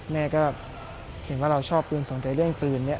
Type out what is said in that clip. แม่ก็เห็นว่าเราชอบปืนสนใจเรื่องปืนเนี่ย